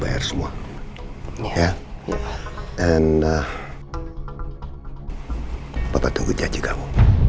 bapak tunggu janji kamu